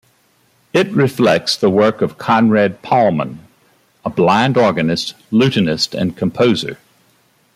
It reflects the work of Conrad Paumann, a blind organist, lutenist, and composer.